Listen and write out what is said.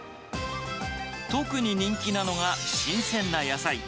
特に人気なのが新鮮な野菜。